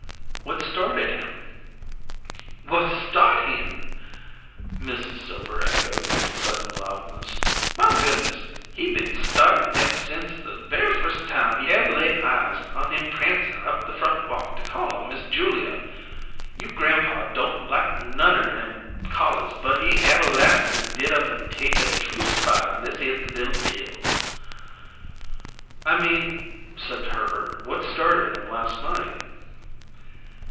"What started him?" "Whut start him?" Mrs. Silver echoed with sudden loudness. "My goo'niss! He b'en started ev' since the very firs' time he ev' lay eyes on him prancin' up the front walk to call on Miss Julia. You' grampaw don' like none nem callers, but he everlas'n'ly did up an' take a true spite on thishere li'l Dills!" "I mean," said Herbert, "what started him last night?"